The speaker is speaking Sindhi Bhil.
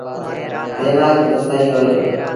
ديمآڪ با سهيٚ هوئي دو۔